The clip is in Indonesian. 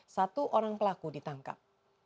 satu orang pelaku ditangkap